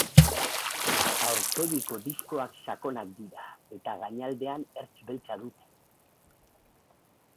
Aurpegiko diskoak sakonak dira, eta gainaldean ertz beltza dute.